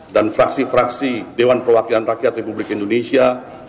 dan fraksi fraksi dewan perwakilan rakyat republik indonesia